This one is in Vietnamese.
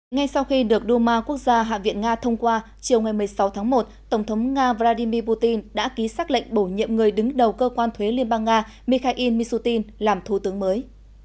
ngay sau khi được duma quốc gia hạ viện nga thông qua chiều ngày một mươi sáu tháng một tổng thống nga vladimir putin đã ký xác lệnh bổ nhiệm người đứng đầu cơ quan thuế liên bang nga mikhail mishutin làm thủ tướng mới